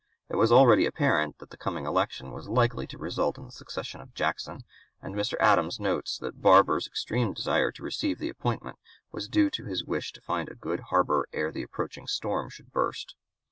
It was already apparent that the coming election was likely to result in the succession of Jackson, and Mr. Adams notes that Barbour's extreme desire to receive the appointment was due to his wish to find a good harbor ere the approaching storm should burst.